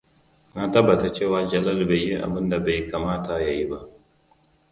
Na tabbata cewa Jalal bai yi abun da bai kamata yayi ba.